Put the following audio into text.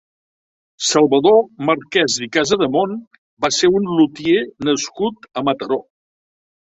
Salvador Marquès i Casademont va ser un lutier nascut a Mataró.